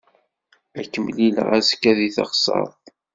Ad k-mlileɣ azekka deg teɣsert.